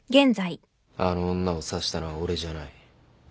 あの女を刺したのは俺じゃない。